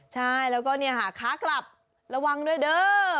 ใช่แล้วก็เนี่ยค่ะค้ากลับระวังด้วยเด้อ